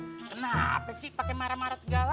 kenapa sih pakai marah marah segala